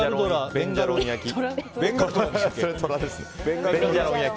ベンジャロン焼きです。